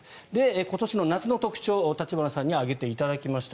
今年の夏の特徴を立花さんに挙げていただきました。